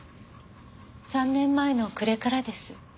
３年前の暮れからです。